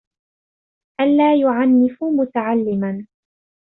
أَنْ لَا يُعَنِّفُوا مُتَعَلِّمًا